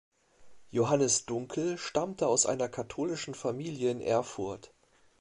Johannes Dunkel stammte aus einer katholischen Familie in Erfurt.